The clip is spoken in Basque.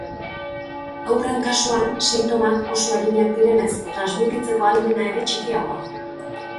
Haurren kasuan, sintomak oso arinak direnez, transmititzeko ahalmena ere txikiagoa da.